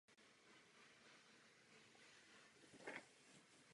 V neposlední řadě tu najdeme i třídy „klasického“ typu.